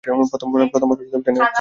প্রথমবার ট্রেনে উঠেছি না।